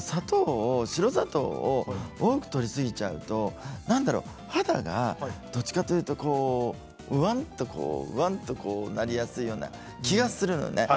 白砂糖を多くとりすぎちゃうと何だろう、肌がどっちかというとうわんと、こうなりやすいような気がするのね。